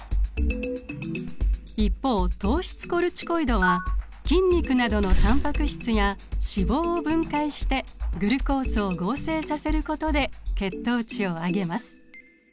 一方糖質コルチコイドは筋肉などのタンパク質や脂肪を分解してグルコースを合成させることで血糖値を上げます。